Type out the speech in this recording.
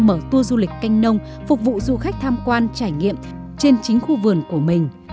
mở tua du lịch canh nông phục vụ du khách tham quan trải nghiệm trên chính khu vườn của mình